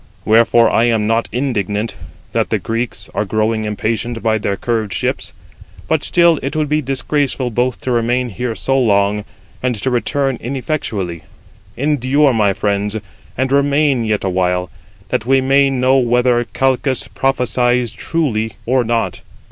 Wherefore I am not indignant that the Greeks are growing impatient by their curved ships; but still it would be disgraceful both to remain here so long, and to return ineffectually. Endure, my friends, and remain yet awhile, that we may know whether Calchas prophesies truly or not.